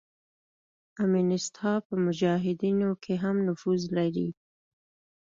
امینست ها په مجاهدینو کې هم نفوذ لري.